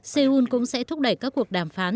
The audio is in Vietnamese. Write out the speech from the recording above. seoul cũng sẽ thúc đẩy các cuộc đàm phán